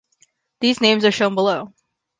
These names are shown below.